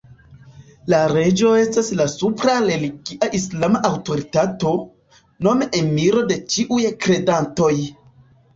La reĝo estas la supra religia islama aŭtoritato, nome Emiro de ĉiuj kredantoj.